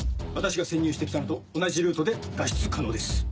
私が潜入して来たのと同じルートで脱出可能です。